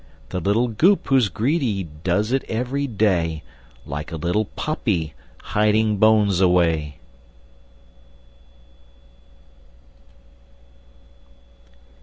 The little Goop who's greedy Does it every day, Like a little puppy, Hiding bones away!